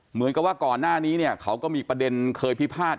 เหมือนกับว่าก่อนหน้านี้เนี่ยเขาก็มีประเด็นเคยพิพาท